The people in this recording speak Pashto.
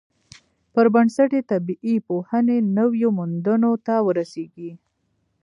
پر بنسټ یې طبیعي پوهنې نویو موندنو ته ورسیږي.